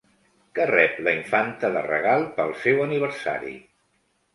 Què rep la Infanta de regal pel seu aniversari?